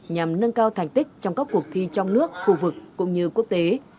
nhằm nâng cao thành tích trong các cuộc thi trong nước khu vực cũng như quốc tế